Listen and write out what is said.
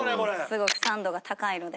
すごく酸度が高いので。